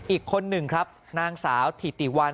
อีกคนหนึ่งครับนางสาวถิติวัน